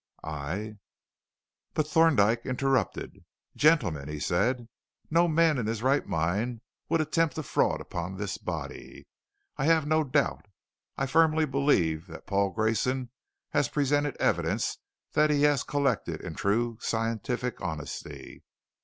"I " But Thorndyke interrupted. "Gentlemen," he said, "no man in his right mind would attempt a fraud upon this body. I have no doubt. I firmly believe that Paul Grayson has presented evidence that he has collected in true scientific honesty!"